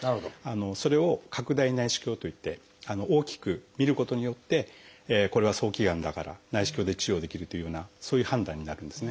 それを拡大内視鏡といって大きく見ることによってこれは早期がんだから内視鏡で治療できるというようなそういう判断になるんですね。